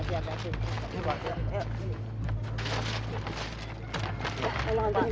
katanya dua hari mau dikembalikan